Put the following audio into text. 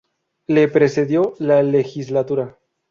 Le precedió la legislatura.